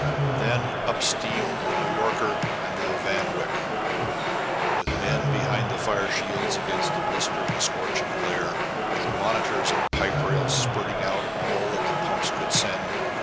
Then up steamed the New Yorker and the Van Wyck, with men behind fire shields against the blistering scorch and glare, with monitors and rail pipes spurting out all that the pumps could send.